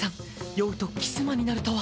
酔うとキス魔になるとは。